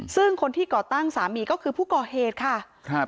ซึ่งคนที่ก่อตั้งสามีก็คือผู้ก่อเหตุค่ะครับ